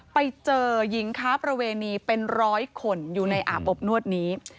ไปเจอหญิงค้าประเวณีเป็นร้อยคนอยู่ในอาบอบนวดนี้